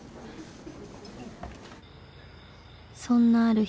［そんなある日］